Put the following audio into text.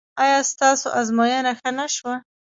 ایا ستاسو ازموینه ښه نه شوه؟